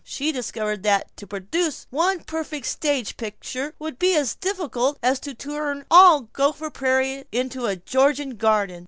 She discovered that to produce one perfect stage picture would be as difficult as to turn all of Gopher Prairie into a Georgian garden.